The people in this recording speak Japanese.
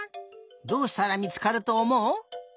どうしたらみつかるとおもう？